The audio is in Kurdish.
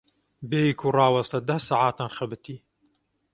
Bêyî ku raweste deh saetan xebitî.